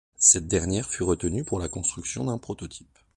Cette dernière fut retenue pour la construction d’un prototype.